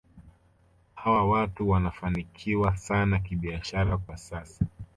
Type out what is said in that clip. Hawa watu wanafanikiwa sana kibiashara kwa sasa